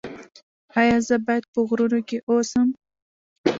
ایا زه باید په غرونو کې اوسم؟